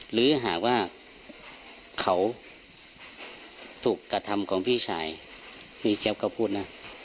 หรือหากว่าเขาถูกกระทำของพี่ชายนี่เจี๊ยบก็พูดนะ